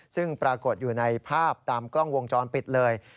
ซึ่งปรากฏอยู่ในภาพตามกล้องวงจรปิดเลย